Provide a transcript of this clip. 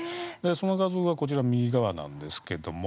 その画像がこちら右側なんですけども。